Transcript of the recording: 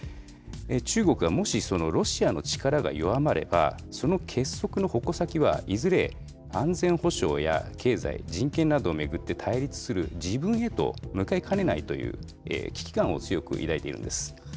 中国はもし、そのロシアの力が弱まれば、その結束の矛先は、いずれ安全保障や経済、人権などを巡って対立する自分へと向かいかねないという危機感を強く抱いているんです。